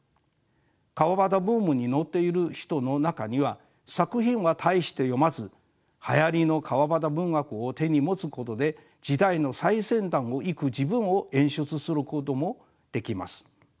川端ブームに乗っている人の中には作品は大して読まずはやりの川端文学を手に持つことで時代の最先端をいく自分を演出することもできます。